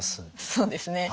そうですね。